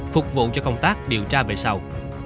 phục vụ cho công tác điều tra về sau